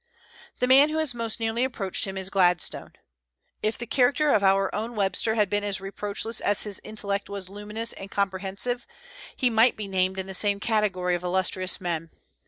The man who has most nearly approached him is Gladstone. If the character of our own Webster had been as reproachless as his intellect was luminous and comprehensive, he might be named in the same category of illustrious men.